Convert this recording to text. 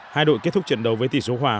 hai đội kết thúc trận đấu với tỷ số hòa